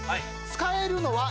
使えるのは。